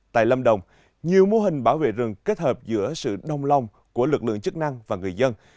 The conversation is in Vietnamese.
tại lâm đồng nhiều mô hình bảo vệ rừng kết hợp giữa sự đông lòng của lực lượng chức năng và người dân